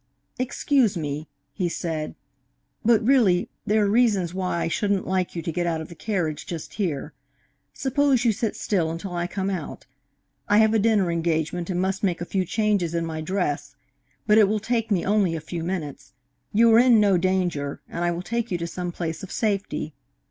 "Excuse me," he said, "but, really, there are reasons why I shouldn't like you to get out of the carriage just here. Suppose you sit still until I come out. I have a dinner engagement and must make a few changes in my dress, but it will take me only a few minutes. You are in no danger, and I will take you to some place of safety.